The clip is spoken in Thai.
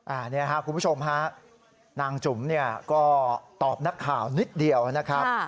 อันนี้ครับคุณผู้ชมฮะนางจุ๋มเนี่ยก็ตอบนักข่าวนิดเดียวนะครับ